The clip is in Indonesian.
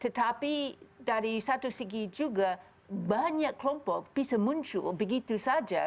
tetapi dari satu segi juga banyak kelompok bisa muncul begitu saja